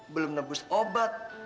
belum nebus obat